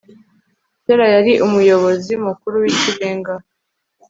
cyera yari umuyobozi mukuru wikirenga